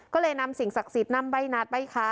ก็เลยนำสิ่งศักดิ์สิทธิ์นำใบหนาดใบขา